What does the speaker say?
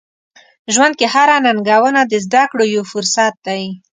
ژوند کې هره ننګونه د زده کړو یو فرصت دی.